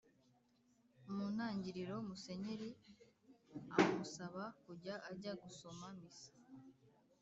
Mu ntangiriro Musenyeri amusaba kujya ajya gusoma misa